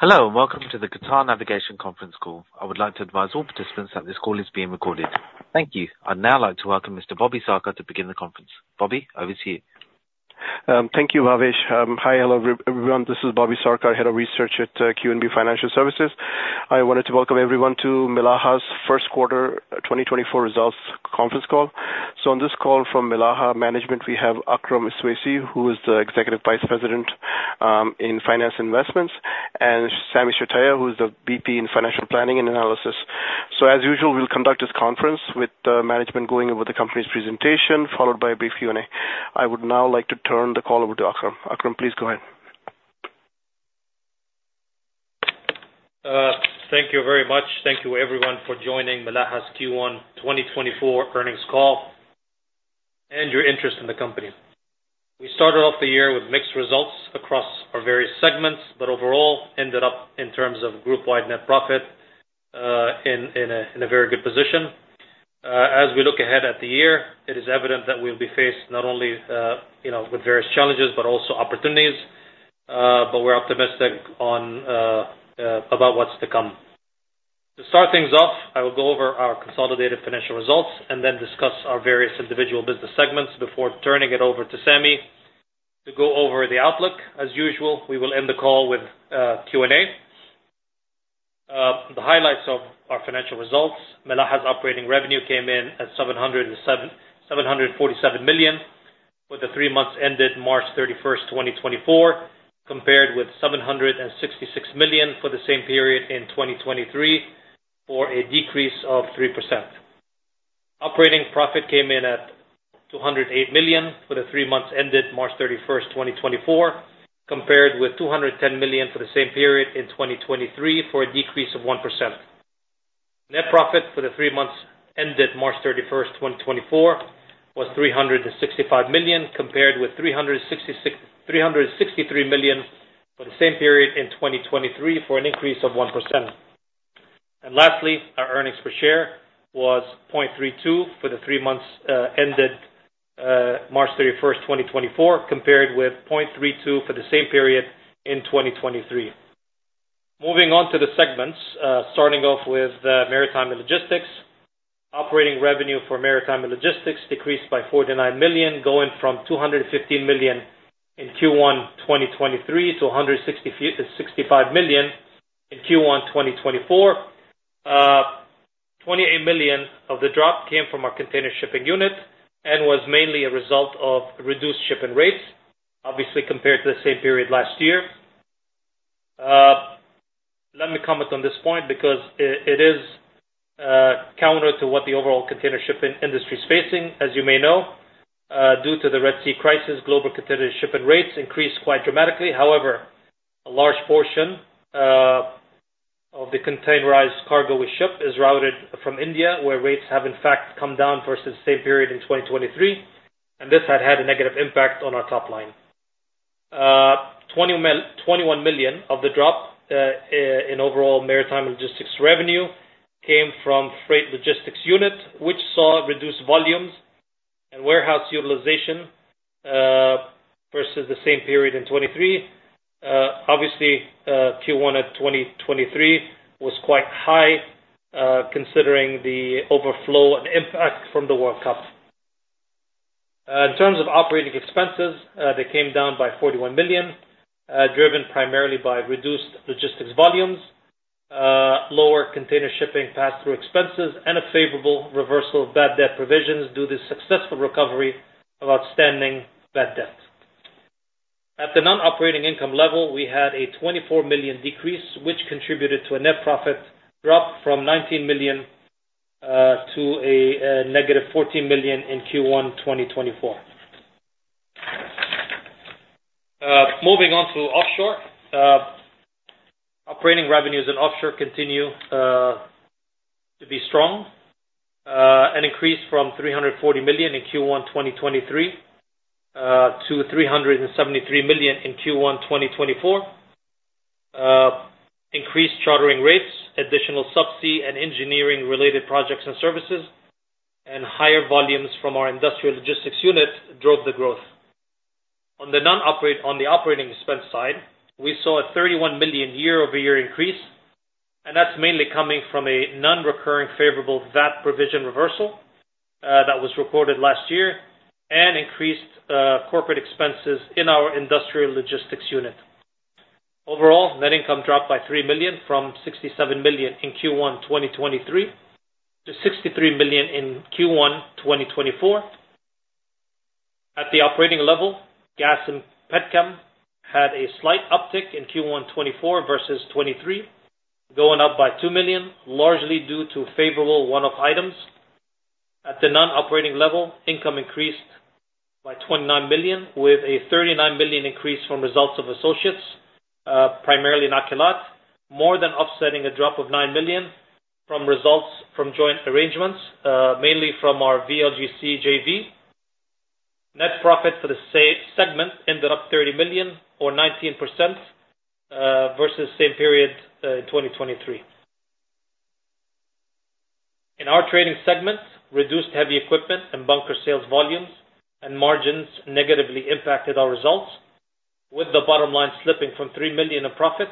Hello, welcome to the Qatar Navigation Conference Call. I would like to advise all participants that this call is being recorded. Thank you. I'd now like to welcome Mr. Bobby Sarkar to begin the conference. Bobby, over to you. Thank you, Bhavesh. Hi, hello everyone. This is Bobby Sarkar, Head of Research at QNB Financial Services. I wanted to welcome everyone to Milaha's first quarter 2024 results conference call. So on this call from Milaha management, we have Akram Iswaisi, who is the Executive Vice President in Finance and Investments, and Sami Shtayyeh, who is the VP in Financial Planning and Analysis. So as usual, we'll conduct this conference with management going over the company's presentation, followed by a brief Q&A. I would now like to turn the call over to Akram. Akram, please go ahead. Thank you very much. Thank you everyone for joining Milaha's Q1 2024 earnings call and your interest in the company. We started off the year with mixed results across our various segments, but overall ended up in terms of group-wide net profit in a very good position. As we look ahead at the year, it is evident that we'll be faced not only with various challenges but also opportunities, but we're optimistic about what's to come. To start things off, I will go over our consolidated financial results and then discuss our various individual business segments before turning it over to Sami to go over the outlook. As usual, we will end the call with Q&A. The highlights of our financial results: Milaha's operating revenue came in at 747 million with the 3 months ended March 31, 2024, compared with 766 million for the same period in 2023 for a decrease of 3%. Operating profit came in at 208 million for the 3 months ended March 31, 2024, compared with 210 million for the same period in 2023 for a decrease of 1%. Net profit for the 3 months ended March 31, 2024, was 365 million compared with 363 million for the same period in 2023 for an increase of 1%. Lastly, our earnings per share was 0.32 for the 3 months ended March 31, 2024, compared with 0.32 for the same period in 2023. Moving on to the segments, starting off with Maritime and Logistics, operating revenue for Maritime and Logistics decreased by 49 million, going from 215 million in Q1 2023 to 165 million in Q1 2024. 28 million of the drop came from our container shipping unit and was mainly a result of reduced shipping rates, obviously compared to the same period last year. Let me comment on this point because it is counter to what the overall container shipping industry is facing. As you may know, due to the Red Sea crisis, global container shipping rates increased quite dramatically. However, a large portion of the containerized cargo we ship is routed from India where rates have, in fact, come down versus the same period in 2023, and this had had a negative impact on our top line. 21 million of the drop in overall Maritime and Logistics revenue came from freight logistics unit, which saw reduced volumes and warehouse utilization versus the same period in 2023. Obviously, Q1 of 2023 was quite high considering the overflow and impact from the World Cup. In terms of operating expenses, they came down by 41 million, driven primarily by reduced logistics volumes, lower container shipping pass-through expenses, and a favorable reversal of bad debt provisions due to the successful recovery of outstanding bad debt. At the non-operating income level, we had a 24 million decrease, which contributed to a net profit drop from 19 million to a negative 14 million in Q1 2024. Moving on to Offshore, operating revenues in Offshore continue to be strong and increased from 340 million in Q1 2023 to 373 million in Q1 2024. Increased chartering rates, additional subsea and engineering-related projects and services, and higher volumes from our industrial logistics unit drove the growth. On the operating expense side, we saw a 31 million year-over-year increase, and that's mainly coming from a non-recurring favorable VAT provision reversal that was recorded last year and increased corporate expenses in our industrial logistics unit. Overall, net income dropped by 3 million from 67 million in Q1 2023 to 63 million in Q1 2024. At the operating level, Gas and Petrochem had a slight uptick in Q1 2024 versus 2023, going up by 2 million, largely due to favorable one-off items. At the non-operating level, income increased by 29 million with a 39 million increase from results of associates, primarily Nakilat, more than offsetting a drop of 9 million from results from joint arrangements, mainly from our VLGC JV. Net profit for the segment ended up 30 million or 19% versus same period in 2023. In our Trading segment, reduced heavy equipment and bunker sales volumes and margins negatively impacted our results, with the bottom line slipping from 3 million of profit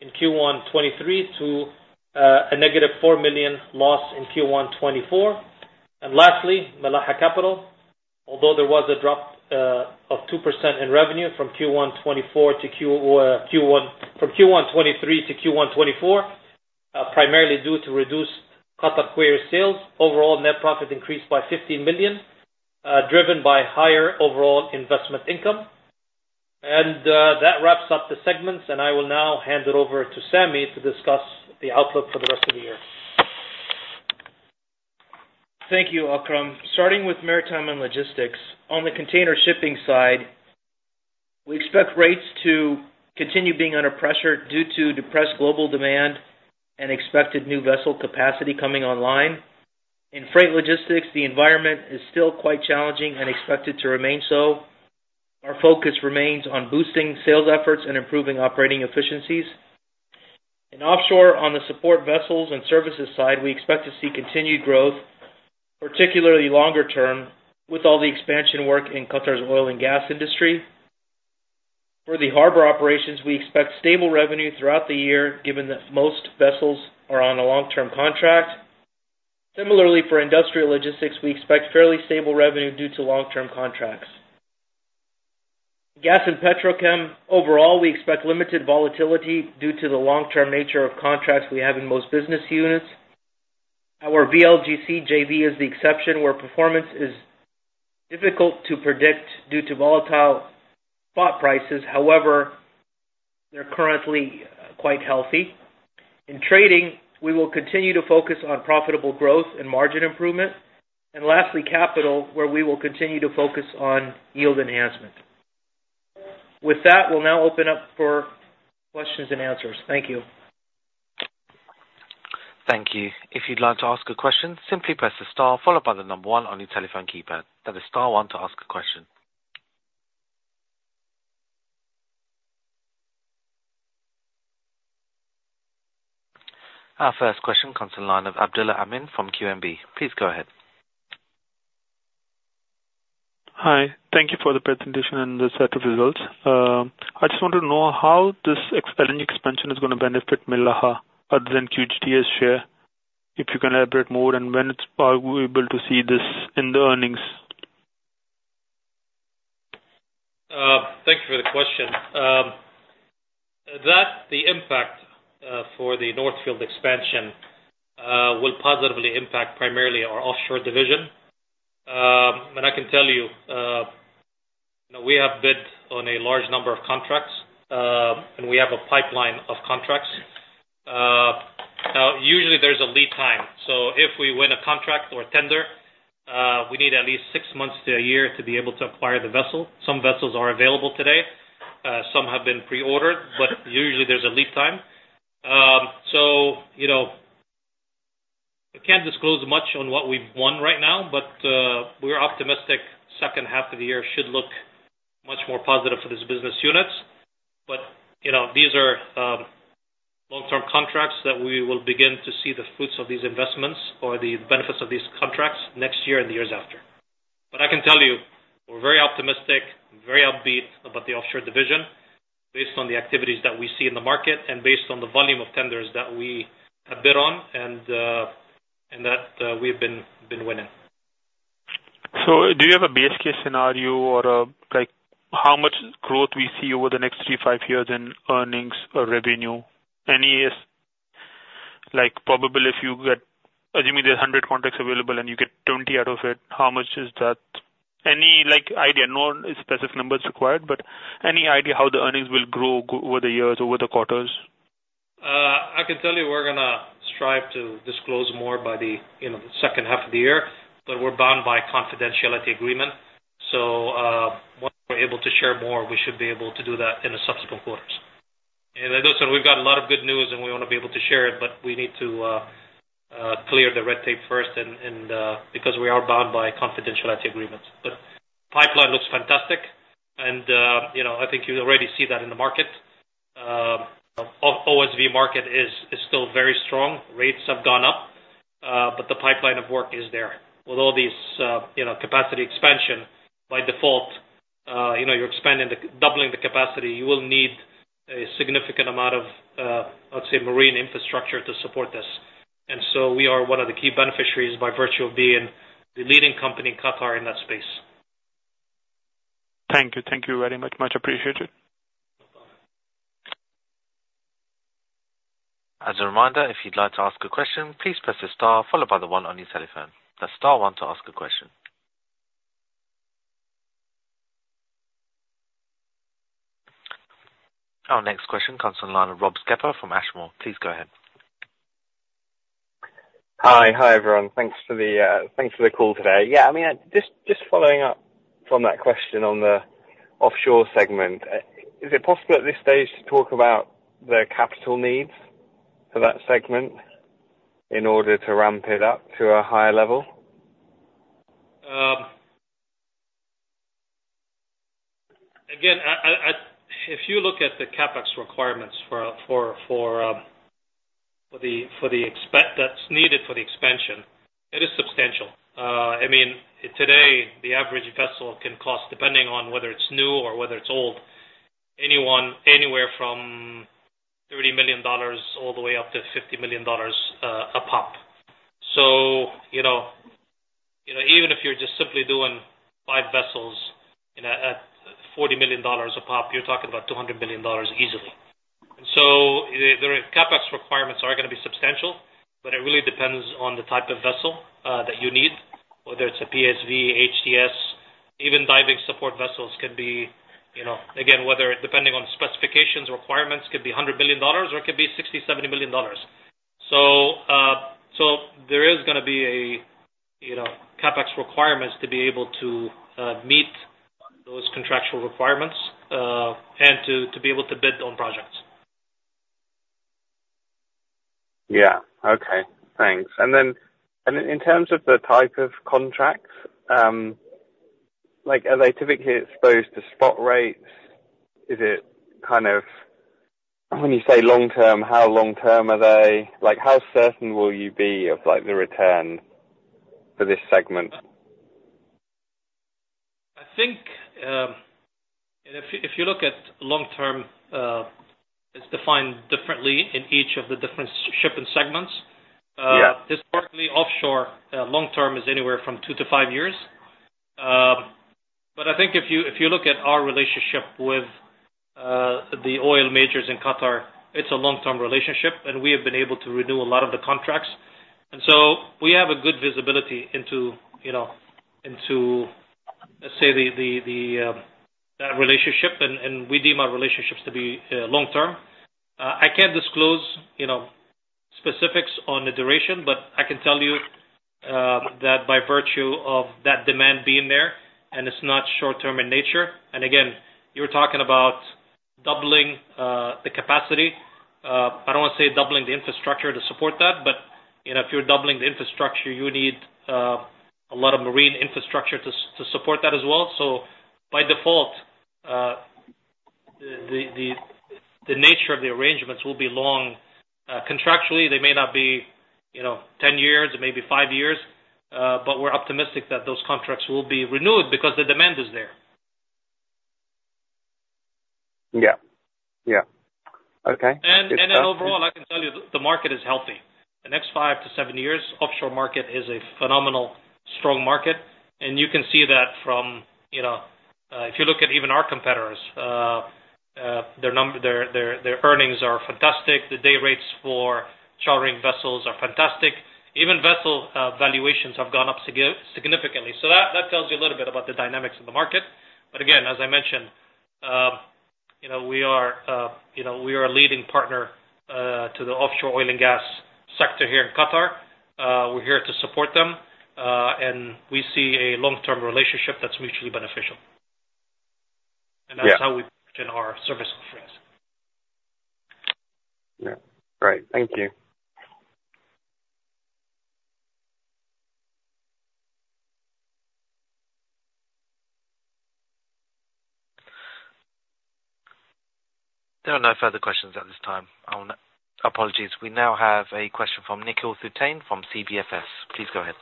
in Q1 2023 to a negative 4 million loss in Q1 2024. And lastly, Milaha Capital, although there was a drop of 2% in revenue from Q1 2023 to Q1 2024, primarily due to reduced Qatar Quarries sales, overall net profit increased by 15 million, driven by higher overall investment income. That wraps up the segments, and I will now hand it over to Sami to discuss the outlook for the rest of the year. Thank you, Akram. Starting with Maritime and Logistics, on the container shipping side, we expect rates to continue being under pressure due to depressed global demand and expected new vessel capacity coming online. In freight logistics, the environment is still quite challenging and expected to remain so. Our focus remains on boosting sales efforts and improving operating efficiencies. In offshore, on the support vessels and services side, we expect to see continued growth, particularly longer-term, with all the expansion work in Qatar's oil and gas industry. For the harbor operations, we expect stable revenue throughout the year given that most vessels are on a long-term contract. Similarly, for industrial logistics, we expect fairly stable revenue due to long-term contracts. Gas and Petrochem, overall, we expect limited volatility due to the long-term nature of contracts we have in most business units. Our VLGC JV is the exception where performance is difficult to predict due to volatile spot prices. However, they're currently quite healthy. In trading, we will continue to focus on profitable growth and margin improvement. And lastly, Capital, where we will continue to focus on yield enhancement. With that, we'll now open up for questions and answers. Thank you. Thank you. If you'd like to ask a question, simply press the star, followed by one on your telephone keypad. That is star one to ask a question. Our first question comes in line of Abdullah Amin from QNB. Please go ahead. Hi. Thank you for the presentation and the set of results. I just want to know how this earnings expansion is going to benefit Milaha other than QGTS share, if you can elaborate more, and when are we able to see this in the earnings? Thank you for the question. The impact for the North Field expansion will positively impact primarily our Offshore division. I can tell you, we have bid on a large number of contracts, and we have a pipeline of contracts. Now, usually there's a lead time. If we win a contract or a tender, we need at least 6 months to a year to be able to acquire the vessel. Some vessels are available today. Some have been preordered, but usually there's a lead time. I can't disclose much on what we've won right now, but we're optimistic second half of the year should look much more positive for these business units. These are long-term contracts that we will begin to see the fruits of these investments or the benefits of these contracts next year and the years after. But I can tell you, we're very optimistic, very upbeat about the Offshore division based on the activities that we see in the market and based on the volume of tenders that we have bid on and that we've been winning. Do you have a base case scenario or how much growth we see over the next three, five years in earnings or revenue? Any probability if you get assuming there's 100 contracts available and you get 20 out of it, how much is that? Any idea? No specific numbers required, but any idea how the earnings will grow over the years, over the quarters? I can tell you we're going to strive to disclose more by the second half of the year, but we're bound by confidentiality agreement. So once we're able to share more, we should be able to do that in the subsequent quarters. And as I said, we've got a lot of good news, and we want to be able to share it, but we need to clear the red tape first because we are bound by confidentiality agreements. But the pipeline looks fantastic, and I think you already see that in the market. OSV market is still very strong. Rates have gone up, but the pipeline of work is there. With all this capacity expansion, by default, you're doubling the capacity. You will need a significant amount of, I would say, marine infrastructure to support this. We are one of the key beneficiaries by virtue of being the leading company in Qatar in that space. Thank you. Thank you very much. Much appreciated. As a reminder, if you'd like to ask a question, please press the star, followed by the one on your telephone. That's star one to ask a question. Our next question comes from the line of Rob Skepper from Ashmore. Please go ahead. Hi. Hi, everyone. Thanks for the call today. Yeah, I mean, just following up from that question on the Offshore segment, is it possible at this stage to talk about the capital needs for that segment in order to ramp it up to a higher level? Again, if you look at the CAPEX requirements for the expected that's needed for the expansion, it is substantial. I mean, today, the average vessel can cost, depending on whether it's new or whether it's old, anywhere from $30-$50 million a pop. So even if you're just simply doing five vessels at $40 million a pop, you're talking about $200 million easily. And so the CAPEX requirements are going to be substantial, but it really depends on the type of vessel that you need, whether it's a PSV, AHTS. Even diving support vessels can be again, depending on specifications, requirements could be $100 million or it could be $60-$70 million. So there is going to be a CAPEX requirements to be able to meet those contractual requirements and to be able to bid on projects. Yeah. Okay. Thanks. And then in terms of the type of contracts, are they typically exposed to spot rates? Is it kind of when you say long-term, how long-term are they? How certain will you be of the return for this segment? I think if you look at long-term, it's defined differently in each of the different shipping segments. Historically, Offshore, long-term is anywhere from 2-5 years. But I think if you look at our relationship with the oil majors in Qatar, it's a long-term relationship, and we have been able to renew a lot of the contracts. And so we have a good visibility into, let's say, that relationship, and we deem our relationships to be long-term. I can't disclose specifics on the duration, but I can tell you that by virtue of that demand being there and it's not short-term in nature and again, you're talking about doubling the capacity. I don't want to say doubling the infrastructure to support that, but if you're doubling the infrastructure, you need a lot of marine infrastructure to support that as well. By default, the nature of the arrangements will be long. Contractually, they may not be 10 years. It may be five years. But we're optimistic that those contracts will be renewed because the demand is there. Yeah. Yeah. Okay. And overall. And then overall, I can tell you the market is healthy. The next 5-7 years, Offshore market is a phenomenal strong market. And you can see that from if you look at even our competitors, their earnings are fantastic. The day rates for chartering vessels are fantastic. Even vessel valuations have gone up significantly. So that tells you a little bit about the dynamics of the market. But again, as I mentioned, we are a leading partner to the offshore oil and gas sector here in Qatar. We're here to support them, and we see a long-term relationship that's mutually beneficial. And that's how we position our service offerings. Yeah. Great. Thank you. There are no further questions at this time. Apologies. We now have a question from Nikhil Pothene from CBFS. Please go ahead.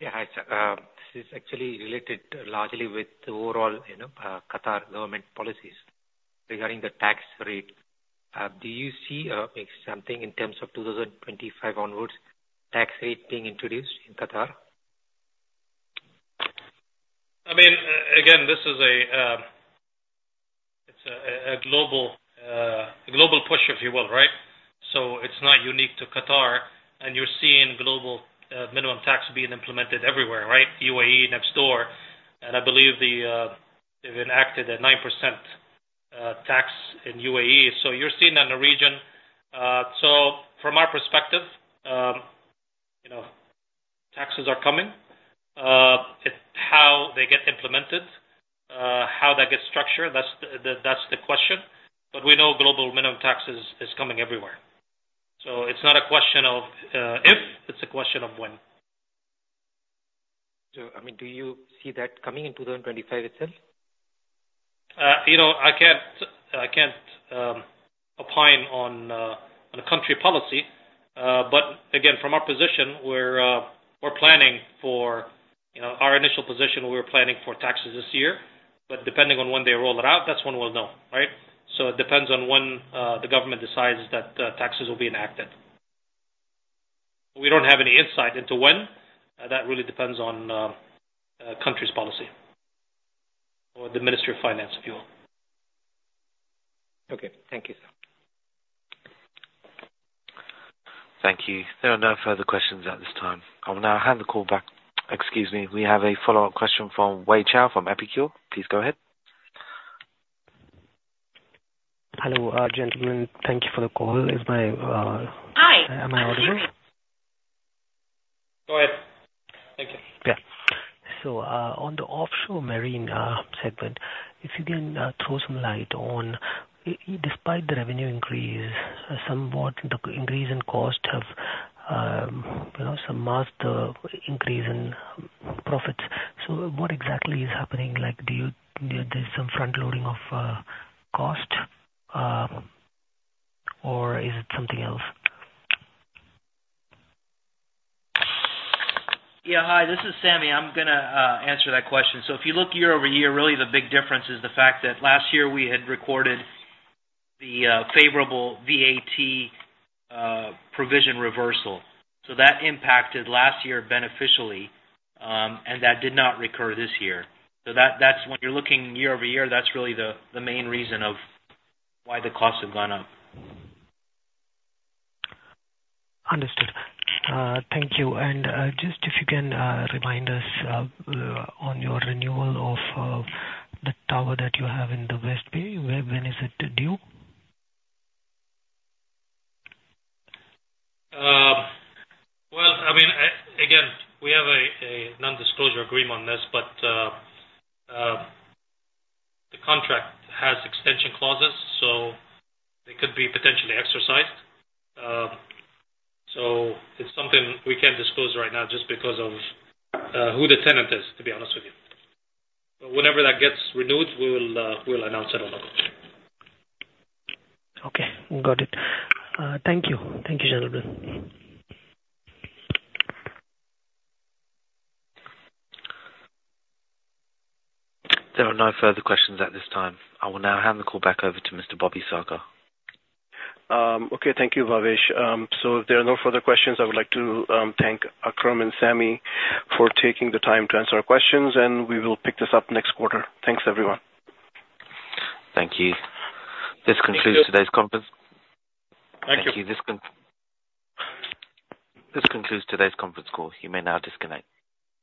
Yeah. Hi. This is actually related largely with the overall Qatar government policies regarding the tax rate. Do you see something in terms of 2025 onwards tax rate being introduced in Qatar? I mean, again, this is a global push, if you will, right? So it's not unique to Qatar, and you're seeing Global Minimum Tax being implemented everywhere, right? UAE, next door. And I believe they've enacted a 9% tax in UAE. So you're seeing that in the region. So from our perspective, taxes are coming. How they get implemented, how that gets structured, that's the question. But we know Global Minimum Tax is coming everywhere. So it's not a question of if. It's a question of when. I mean, do you see that coming in 2025 itself? I can't opine on a country policy. But again, from our position, we're planning for our initial position, we were planning for taxes this year. But depending on when they roll it out, that's when we'll know, right? So it depends on when the government decides that taxes will be enacted. We don't have any insight into when. That really depends on the country's policy or the Ministry of Finance, if you will. Okay. Thank you, sir. Thank you. There are no further questions at this time. I'll now hand the call back. Excuse me. We have a follow-up question from Wei Chao from Epicure. Please go ahead. Hello, gentlemen. Thank you for the call. Is my? Am I audible? Go ahead. Thank you. Yeah. So on the Offshore Marine segment, if you can throw some light on despite the revenue increase, somewhat the increase in cost have surpassed the increase in profits. So what exactly is happening? There's some front-loading of cost, or is it something else? Yeah. Hi. This is Sami. I'm going to answer that question. So if you look year-over-year, really the big difference is the fact that last year, we had recorded the favorable VAT provision reversal. So that impacted last year beneficially, and that did not recur this year. So when you're looking year-over-year, that's really the main reason of why the costs have gone up. Understood. Thank you. And just if you can remind us on your renewal of the tower that you have in the West Bay, when is it due? Well, I mean, again, we have a nondisclosure agreement on this, but the contract has extension clauses, so they could be potentially exercised. So it's something we can't disclose right now just because of who the tenant is, to be honest with you. But whenever that gets renewed, we'll announce it on the call. Okay. Got it. Thank you. Thank you, gentlemen. There are no further questions at this time. I will now hand the call back over to Mr. Bobby Sarkar. Okay. Thank you, Bhavesh. So if there are no further questions, I would like to thank Akram and Sami for taking the time to answer our questions, and we will pick this up next quarter. Thanks, everyone. Thank you. This concludes today's conference. Thank you. Thank you. This concludes today's conference call. You may now disconnect.